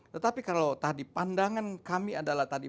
tetapi kalau tadi pandangan kami adalah tadi